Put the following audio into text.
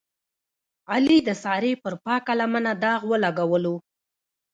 علي د سارې پر پاکه لمنه داغ ولګولو.